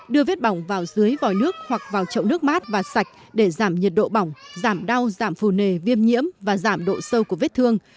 đưa vết bỏng vào dưới vòi nước hoặc vào chậu nước mát và sạch để giảm nhiệt độ bỏng giảm đau giảm phù nề viêm nhiễm và giảm độ sâu của vết thương